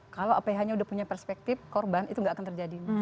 kalau aph nya sudah punya perspektif korban itu nggak akan terjadi